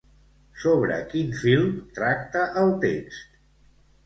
Sobre quin film tracta el text?